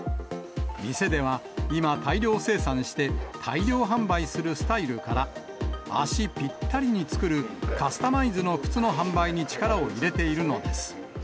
店では今、大量生産して、大量販売するスタイルから、足ぴったりに作るカスタマイズの靴の販売に力を入れているのです。